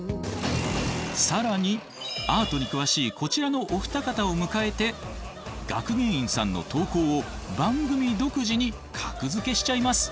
更にアートに詳しいこちらのお二方を迎えて学芸員さんの投稿を番組独自に格付けしちゃいます。